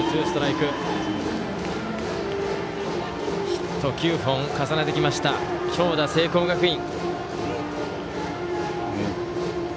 ヒット９本、重ねてきました強打、聖光学院。